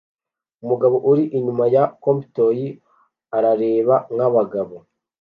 Umugabo uri inyuma ya comptoir arareba nkabagabo